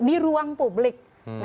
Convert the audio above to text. di ruang publik